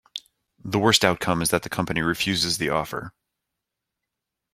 The worst outcome is that the company refuses the offer.